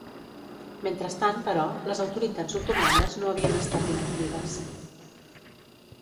Mentrestant, però, les autoritats otomanes no havien estat inactives.